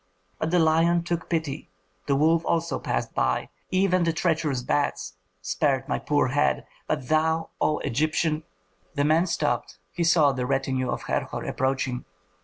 But the lion took pity, the wolf also passed by; even the treacherous bats spared my poor head; but thou, O Egyptian " The man stopped; he saw the retinue of Herhor approaching.